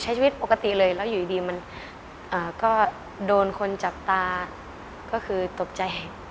ใช้ชีวิตปกติเลยแล้วอยู่ดีมันก็โดนคนจับตาก็คือตกใจ